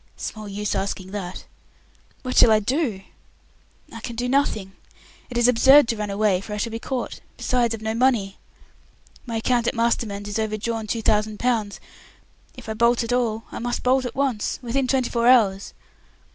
Small use asking that. What shall I do? I can do nothing. It is absurd to run away, for I shall be caught. Besides, I've no money. My account at Mastermann's is overdrawn two thousand pounds. If I bolt at all, I must bolt at once within twenty four hours.